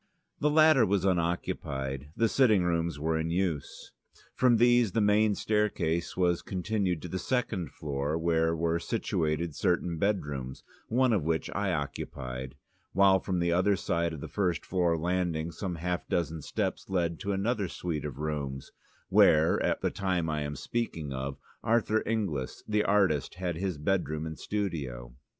The latter was unoccupied, the sitting rooms were in use. From these the main staircase was continued to the second floor, where were situated certain bedrooms, one of which I occupied, while from the other side of the first floor landing some half dozen steps led to another suite of rooms, where, at the time I am speaking of, Arthur Inglis, the artist, had his bedroom and studio.